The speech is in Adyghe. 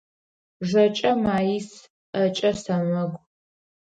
Жэкӏэ маис, ӏэкӏэ сэмэгу.